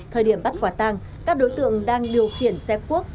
thời điểm bắt quả tang các đối tượng đang điều khiển xe cuốc